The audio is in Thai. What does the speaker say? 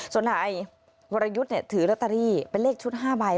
ส่วนนายวรยุทธ์ถือลอตเตอรี่เป็นเลขชุด๕ใบ